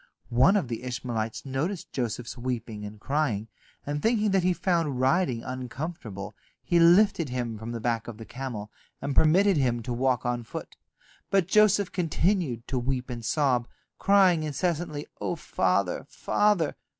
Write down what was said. One of the Ishmaelites noticed Joseph's weeping and crying, and thinking that he found riding uncomfortable, he lifted him from the back of the camel, and permitted him to walk on foot. But Joseph continued to weep and sob, crying incessantly, "O father, father!"